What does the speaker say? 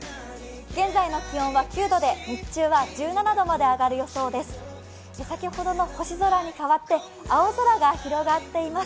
現在の気温は９度で、日中は１７度まで上がります。